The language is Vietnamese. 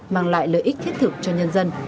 mang lại lợi ích thiết thực cho nhân dân